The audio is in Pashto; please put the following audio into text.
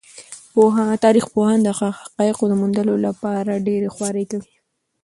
تاریخ پوهان د حقایقو د موندلو لپاره ډېرې خوارۍ کوي.